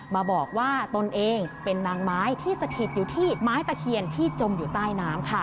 มาบอกว่าตนเองเป็นนางไม้ที่สถิตอยู่ที่ไม้ตะเคียนที่จมอยู่ใต้น้ำค่ะ